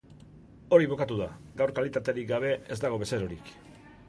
Hori bukatu da, gaur kalitaterik gabe ez dago bezerorik.